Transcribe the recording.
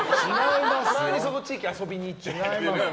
たまにその地域遊びに行って。